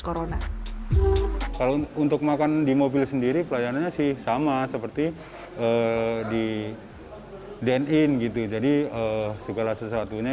corona kalau untuk makan di mobil sendiri pelayanannya sih sama seperti di den in gitu jadi segala sesuatunya